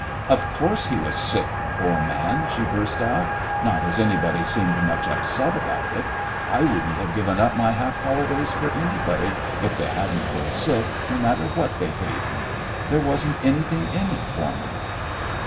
"Of course he was sick, poor man!" she burst out. "Not as anybody seemed much upset about it. I wouldn't have given up my half holidays for anybody if they hadn't been sick, no matter what they paid me. There wasn't anything in it for me."